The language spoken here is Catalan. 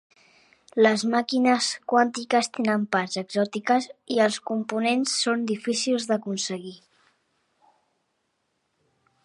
Les màquines quàntiques tenen parts exòtiques i els components són difícils d'aconseguir.